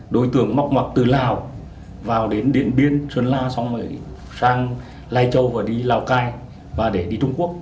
đối tượng móc mặc từ lào vào đến điện biên sơn la xong rồi sang lai châu và đi lào cai và để đi trung quốc